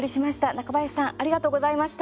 中林さんありがとうございました。